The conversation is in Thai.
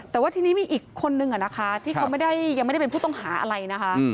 แต่ว่าทีนี้มีอีกคนนึงนะคะที่เขาไม่ได้ยังไม่ได้เป็นผู้ต้องหาอะไรนะคะ